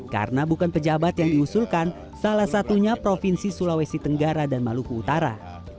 karena bukan pejabat yang diusulkan salah satunya provinsi sulawesi tenggara dan maluku utara